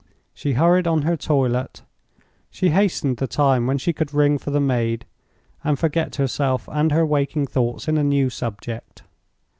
She hurried on her toilet; she hastened the time when she could ring for the maid, and forget herself and her waking thoughts in a new subject.